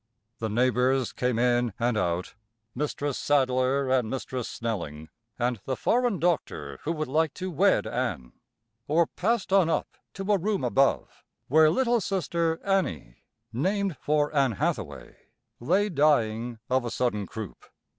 The neighbors came in and out, Mistress Sadler and Mistress Snelling, and the foreign doctor who would like to wed Ann, or passed on up to a room above, where little sister Annie, named for Ann Hathaway, lay dying of a sudden croup.